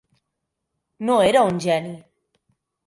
No era un geni.